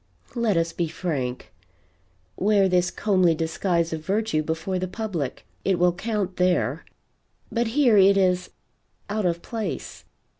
Let us be frank. Wear this comely disguise of virtue before the public it will count there; but here it is out of place.